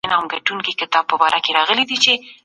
دا علم په هر ګام کي زموږ ملګری دی.